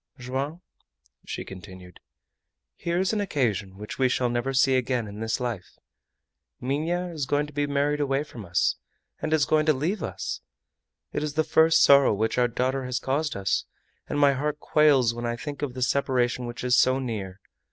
"Joam," she continued, "here is an occasion which we shall never see again in this life. Minha is going to be married away from us, and is going to leave us! It is the first sorrow which our daughter has caused us, and my heart quails when I think of the separation which is so near!